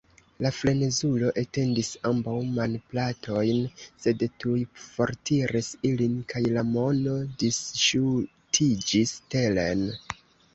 La frenezulo etendis ambaŭ manplatojn, sed tuj fortiris ilin, kaj la mono disŝutiĝis teren.